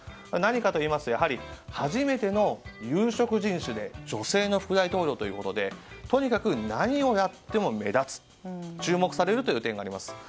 何かといいますと初めての有色人種で女性の副大統領ということでとにかく何をやっても目立つし注目されるという点があります。